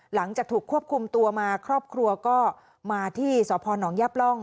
หลังจากถูกควบคุมตัวมาครอบครัวก็มาที่สพนยับร่อง